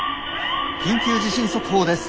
「緊急地震速報です。